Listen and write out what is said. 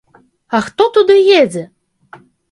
А хто туды едзе?